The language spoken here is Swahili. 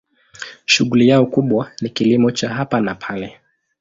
Shughuli yao kubwa ni kilimo cha hapa na pale.